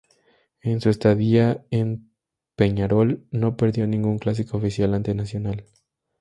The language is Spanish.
En su estadía en Peñarol no perdió ningún clásico oficial ante Nacional.